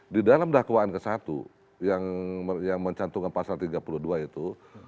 di dalam dakwaan ke satu yang mencantumkan pasal tiga puluh dua itu